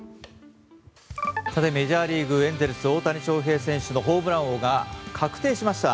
メジャーリーグ、エンゼルス大谷翔平選手のホームラン王が確定しました。